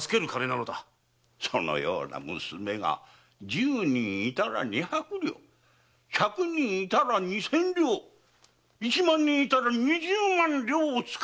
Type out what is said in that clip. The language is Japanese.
そのような娘が十人いたら二百両百人いたら二千両一万人いたら二十万両お使いになるおつもりでございますか！